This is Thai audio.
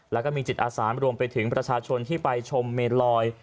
แล้วก็มีจิตอาสานรวมไปถึงประชาชนที่ไปชมเมนลอย